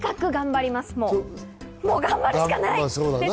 頑張るしかない。